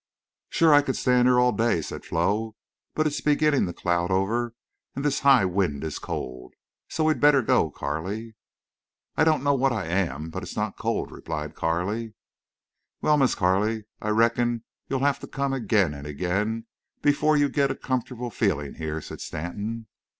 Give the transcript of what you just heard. "Shore I could stand here all day," said Flo. "But it's beginning to cloud over and this high wind is cold. So we'd better go, Carley." "I don't know what I am, but it's not cold," replied Carley. "Wal, Miss Carley, I reckon you'll have to come again an' again before you get a comfortable feelin' here," said Stanton.